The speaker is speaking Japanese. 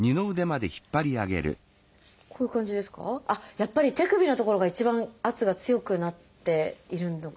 やっぱり手首の所が一番圧が強くなっているのかしら。